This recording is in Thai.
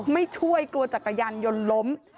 ไม่ช่วยกลัวจักรยานยนต์ล้ม